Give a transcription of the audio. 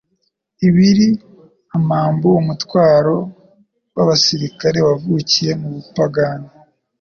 Ibiri amambu, umutwarc w'abasirikari wavukiye mu bapagani